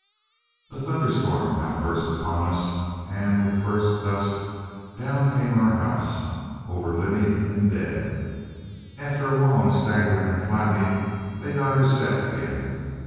A thunder storm now burst upon us, and with the first gust down came our house, over living and dead. After a long staggering and flapping, they got her set again.